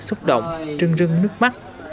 xúc động trưng rưng nước mắt